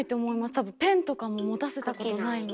多分ペンとかも持たせたことないので。